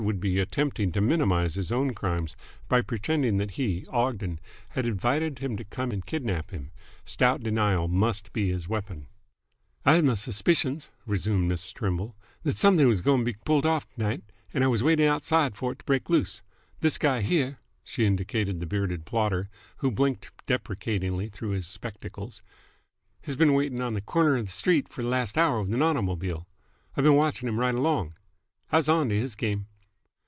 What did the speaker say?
would be attempting to minimise his own crimes, by pretending that he, Ogden, had invited him to come and kidnap him. Stout denial must be his weapon. "I had m' suspicions," resumed Miss Trimble, "that someth'ng was goin' t' be pulled off to night, 'nd I was waiting outside f'r it to break loose. This guy here," she indicated the bearded plotter, who blinked deprecatingly through his spectacles, "h's been waiting on the c'rner of th' street for the last hour with 'n automobile. I've b'n watching him right along. I was onto h's game!